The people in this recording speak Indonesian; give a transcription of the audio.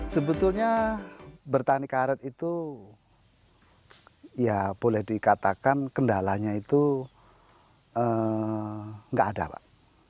sebetulnya bertani karet itu ya boleh dikatakan kendalanya itu nggak ada pak